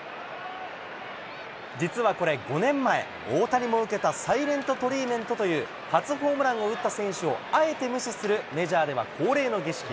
実はこれ、５年前、大谷も受けた、サイレントトリートメントという初ホームランを打った選手をあえて無視するメジャーでは恒例の儀式。